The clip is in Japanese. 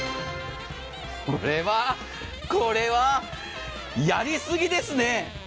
これはこれはやりすぎですね。